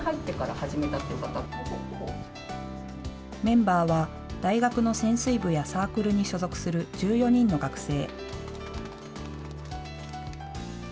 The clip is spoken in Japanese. メンバーは大学の潜水部やサークルに所属する１４人の学生。